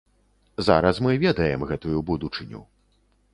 Зараз мы ведаем гэтую будучыню.